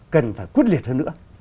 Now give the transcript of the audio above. cần phải quyết liệt hơn nữa